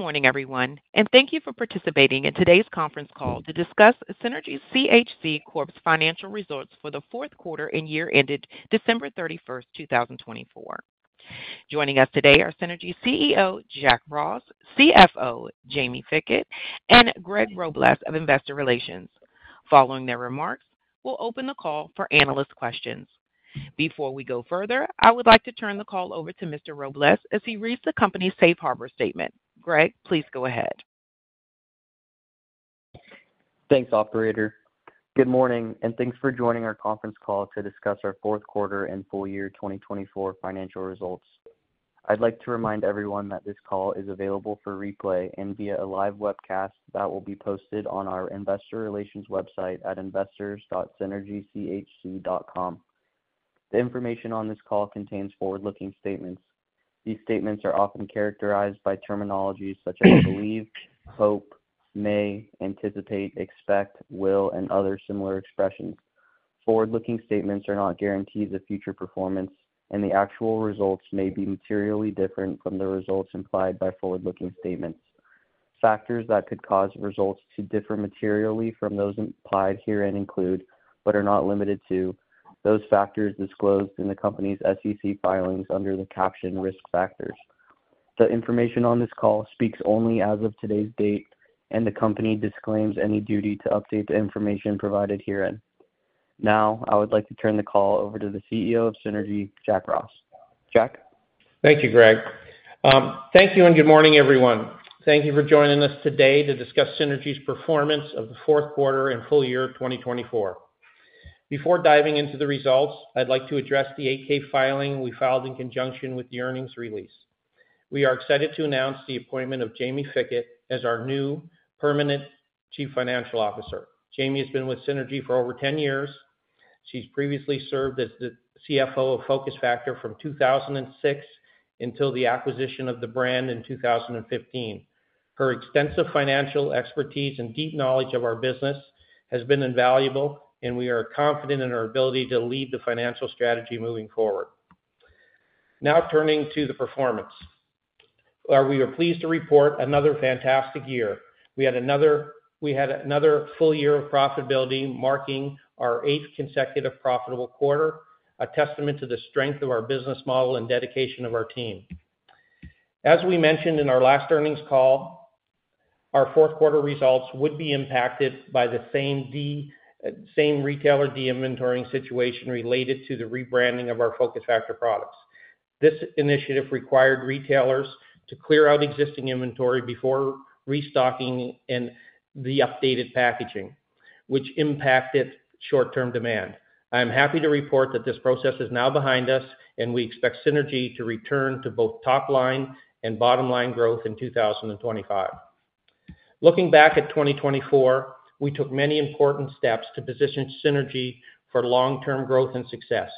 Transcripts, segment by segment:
Good morning, everyone, and thank you for participating in today's conference call to discuss Synergy CHC Corp's financial results for the fourth quarter and year ended December 31, 2024. Joining us today are Synergy CEO Jack Ross, CFO Jaime Fickett, and Greg Robles of Investor Relations. Following their remarks, we'll open the call for analyst questions. Before we go further, I would like to turn the call over to Mr. Robles as he reads the company's safe harbor statement. Greg, please go ahead. Thanks, Operator. Good morning, and thanks for joining our conference call to discuss our fourth quarter and full year 2024 financial results. I'd like to remind everyone that this call is available for replay and via a live webcast that will be posted on our Investor Relations website at investors.synergychc.com. The information on this call contains forward-looking statements. These statements are often characterized by terminologies such as believe, hope, may, anticipate, expect, will, and other similar expressions. Forward-looking statements are not guarantees of future performance, and the actual results may be materially different from the results implied by forward-looking statements. Factors that could cause results to differ materially from those implied herein include, but are not limited to, those factors disclosed in the company's SEC filings under the caption Risk Factors. The information on this call speaks only as of today's date, and the company disclaims any duty to update the information provided herein. Now, I would like to turn the call over to the CEO of Synergy, Jack Ross. Jack? Thank you, Greg. Thank you, and good morning, everyone. Thank you for joining us today to discuss Synergy's performance of the fourth quarter and full year 2024. Before diving into the results, I'd like to address the 8-K filing we filed in conjunction with the earnings release. We are excited to announce the appointment of Jaime Fickett as our new permanent Chief Financial Officer. Jaime has been with Synergy for over 10 years. She's previously served as the CFO of Focus Factor from 2006 until the acquisition of the brand in 2015. Her extensive financial expertise and deep knowledge of our business has been invaluable, and we are confident in her ability to lead the financial strategy moving forward. Now, turning to the performance, we are pleased to report another fantastic year. We had another full year of profitability, marking our eighth consecutive profitable quarter, a testament to the strength of our business model and dedication of our team. As we mentioned in our last earnings call, our fourth quarter results would be impacted by the same retailer de-inventorying situation related to the rebranding of our Focus Factor products. This initiative required retailers to clear out existing inventory before restocking and the updated packaging, which impacted short-term demand. I am happy to report that this process is now behind us, and we expect Synergy to return to both top-line and bottom-line growth in 2025. Looking back at 2024, we took many important steps to position Synergy for long-term growth and success.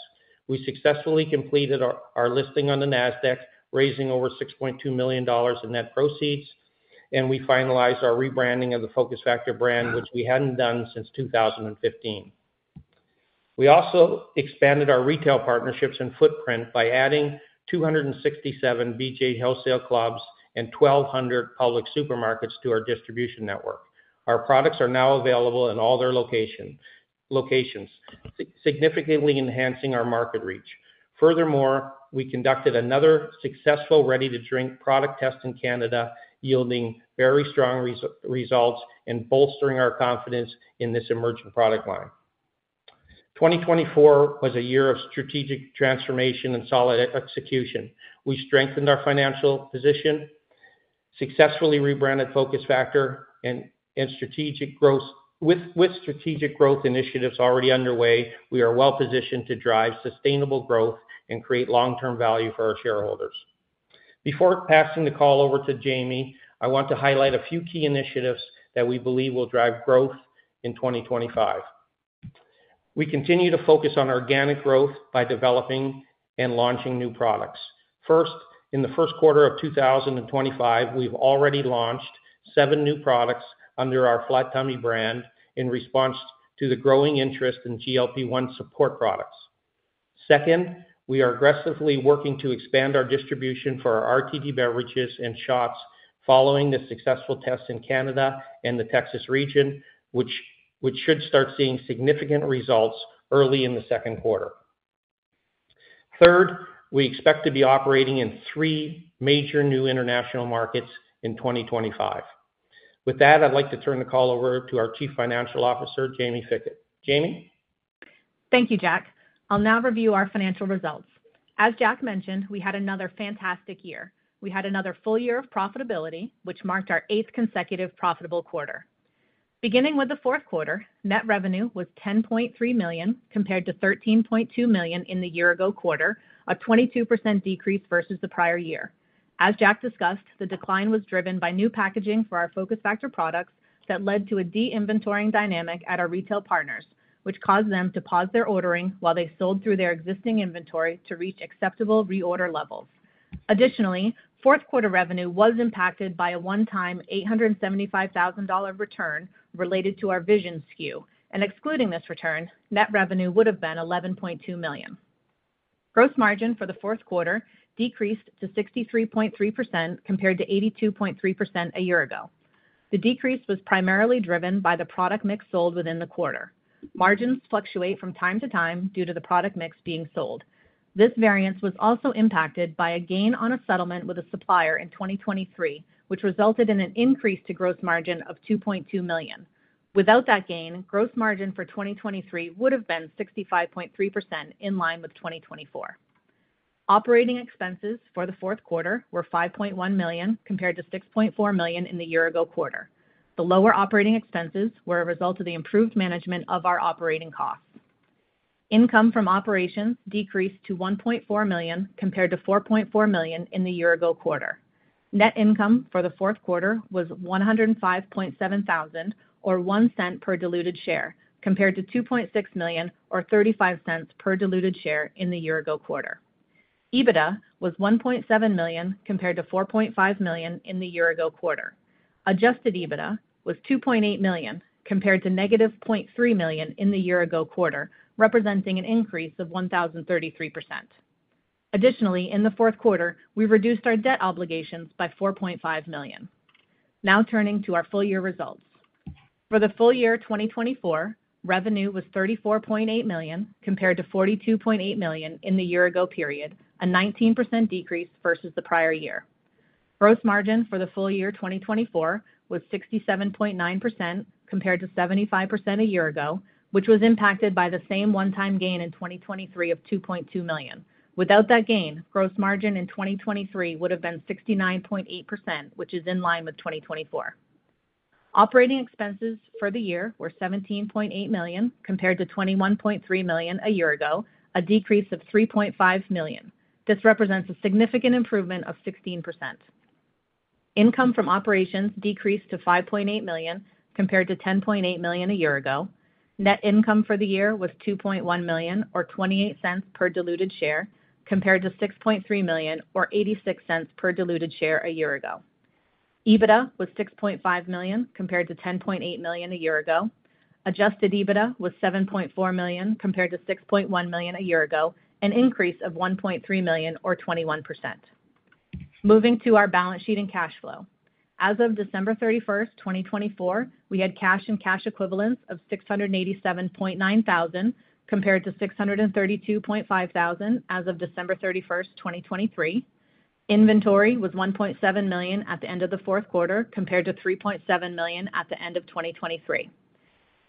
We successfully completed our listing on the NASDAQ, raising over $6.2 million in net proceeds, and we finalized our rebranding of the Focus Factor brand, which we had not done since 2015. We also expanded our retail partnerships and footprint by adding 267 BJ's Wholesale Clubs and 1,200 Publix supermarkets to our distribution network. Our products are now available in all their locations, significantly enhancing our market reach. Furthermore, we conducted another successful ready-to-drink product test in Canada, yielding very strong results and bolstering our confidence in this emerging product line. 2024 was a year of strategic transformation and solid execution. We strengthened our financial position, successfully rebranded Focus Factor, and with strategic growth initiatives already underway, we are well-positioned to drive sustainable growth and create long-term value for our shareholders. Before passing the call over to Jaime, I want to highlight a few key initiatives that we believe will drive growth in 2025. We continue to focus on organic growth by developing and launching new products. First, in the first quarter of 2025, we've already launched seven new products under our Flat Tummy brand in response to the growing interest in GLP-1 support products. Second, we are aggressively working to expand our distribution for our RTD beverages and shots following the successful tests in Canada and the Texas region, which should start seeing significant results early in the second quarter. Third, we expect to be operating in three major new international markets in 2025. With that, I'd like to turn the call over to our Chief Financial Officer, Jaime Fickett. Jaime? Thank you, Jack. I'll now review our financial results. As Jack mentioned, we had another fantastic year. We had another full year of profitability, which marked our eighth consecutive profitable quarter. Beginning with the fourth quarter, net revenue was $10.3 million compared to $13.2 million in the year-ago quarter, a 22% decrease versus the prior year. As Jack discussed, the decline was driven by new packaging for our Focus Factor products that led to a de-inventorying dynamic at our retail partners, which caused them to pause their ordering while they sold through their existing inventory to reach acceptable reorder levels. Additionally, fourth quarter revenue was impacted by a one-time $875,000 return related to our Vision SKU, and excluding this return, net revenue would have been $11.2 million. Gross margin for the fourth quarter decreased to 63.3% compared to 82.3% a year ago. The decrease was primarily driven by the product mix sold within the quarter. Margins fluctuate from time to time due to the product mix being sold. This variance was also impacted by a gain on a settlement with a supplier in 2023, which resulted in an increase to gross margin of $2.2 million. Without that gain, gross margin for 2023 would have been 65.3% in line with 2024. Operating expenses for the fourth quarter were $5.1 million compared to $6.4 million in the year-ago quarter. The lower operating expenses were a result of the improved management of our operating costs. Income from operations decreased to $1.4 million compared to $4.4 million in the year-ago quarter. Net income for the fourth quarter was $105,700, or $0.01 per diluted share, compared to $2.6 million, or $0.35 per diluted share in the year-ago quarter. EBITDA was $1.7 million compared to $4.5 million in the year-ago quarter. Adjusted EBITDA was $2.8 million compared to $-0.3 million in the year-ago quarter, representing an increase of 1,033%. Additionally, in the fourth quarter, we reduced our debt obligations by $4.5 million. Now turning to our full year results. For the full year 2024, revenue was $34.8 million compared to $42.8 million in the year-ago period, a 19% decrease versus the prior year. Gross margin for the full year 2024 was 67.9% compared to 75% a year ago, which was impacted by the same one-time gain in 2023 of $2.2 million. Without that gain, gross margin in 2023 would have been 69.8%, which is in line with 2024. Operating expenses for the year were $17.8 million compared to $21.3 million a year ago, a decrease of $3.5 million. This represents a significant improvement of 16%. Income from operations decreased to $5.8 million compared to $10.8 million a year ago. Net income for the year was $2.1 million, or $0.28 per diluted share, compared to $6.3 million, or $0.86 per diluted share a year ago. EBITDA was $6.5 million compared to $10.8 million a year ago. Adjusted EBITDA was $7.4 million compared to $6.1 million a year ago, an increase of $1.3 million, or 21%. Moving to our balance sheet and cash flow. As of December 31, 2024, we had cash and cash equivalents of $687,900 compared to $632,500 as of December 31, 2023. Inventory was $1.7 million at the end of the fourth quarter compared to $3.7 million at the end of 2023.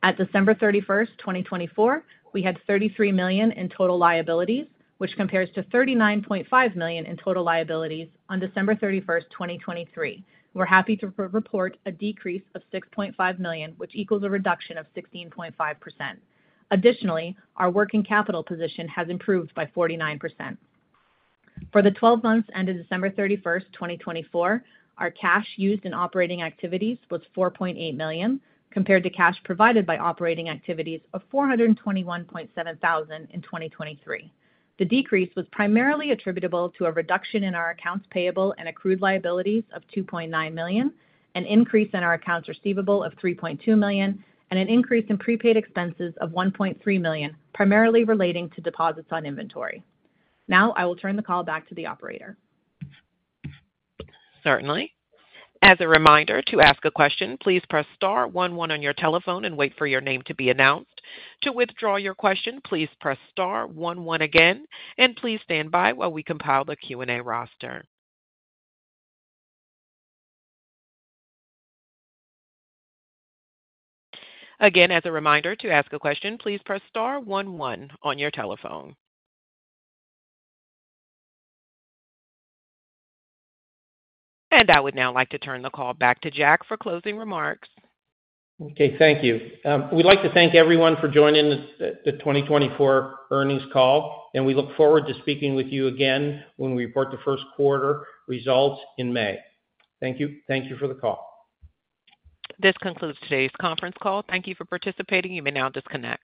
At December 31st, 2024, we had $33 million in total liabilities, which compares to $39.5 million in total liabilities on December 31, 2023. We're happy to report a decrease of $6.5 million, which equals a reduction of 16.5%. Additionally, our working capital position has improved by 49%. For the 12 months ended December 31st, 2024, our cash used in operating activities was $4.8 million compared to cash provided by operating activities of $421,700 in 2023. The decrease was primarily attributable to a reduction in our accounts payable and accrued liabilities of $2.9 million, an increase in our accounts receivable of $3.2 million, and an increase in prepaid expenses of $1.3 million, primarily relating to deposits on inventory. Now, I will turn the call back to the Operator. Certainly. As a reminder to ask a question, please press star one one on your telephone and wait for your name to be announced. To withdraw your question, please press star one one again, and please stand by while we compile the Q&A roster. Again, as a reminder to ask a question, please press star one one on your telephone. I would now like to turn the call back to Jack for closing remarks. Okay, thank you. We'd like to thank everyone for joining the 2024 earnings call, and we look forward to speaking with you again when we report the first quarter results in May. Thank you for the call. This concludes today's conference call. Thank you for participating. You may now disconnect.